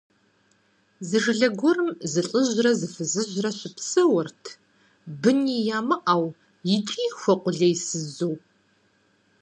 Зы жылэ гуэрым зы лӀыжьрэ зы фызыжьрэ щыпсэурт, быни ямыӀэу икӀи хуэкъулейсызу.